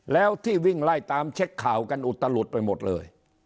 แล้วที่วิ่งไล่ตามเช็คข่าวกันอุตลุดไปหมดเลย